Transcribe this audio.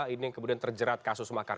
ini yang kemudian terjerat kasus makar